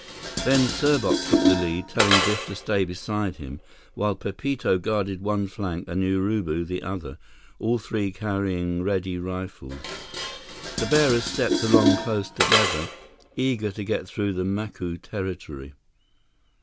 Then Serbot took the lead, telling Biff to stay beside him, while Pepito guarded one flank and Urubu the other, all three carrying ready rifles. The bearers stepped along close together, eager to get through the Macu territory.